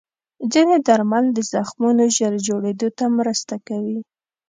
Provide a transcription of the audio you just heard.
ځینې درمل د زخمونو ژر جوړېدو ته مرسته کوي.